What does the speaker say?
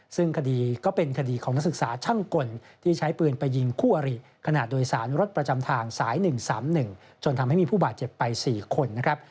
ซึ่งคดีก็เป็นคดีของนักศึกษาช่างกลที่ใช้ปืนไปยิงคู่อริขณะโดยสารรถประจำทางสาย๑๓๑จนทำให้มีผู้บาดเจ็บไป๔คนนะครับ